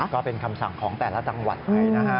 ก็เป็นคำสั่งของแต่ละจังหวัดไปนะฮะ